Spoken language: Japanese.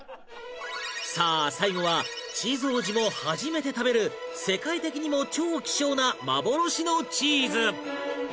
さあ最後はチーズ王子も初めて食べる世界的にも超希少な幻のチーズ